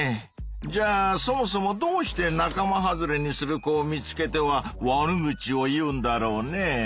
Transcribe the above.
じゃあそもそもどうして仲間外れにする子を見つけては悪口を言うんだろうね？